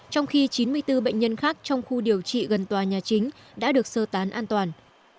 trong khi chín mươi bốn bệnh nhân khác trong khu điều trị gần tòa nhà chính đã được sơ tán an toàn